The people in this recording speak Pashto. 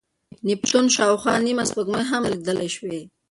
د نیپتون شاوخوا نیمه سپوږمۍ هم لیدل شوې.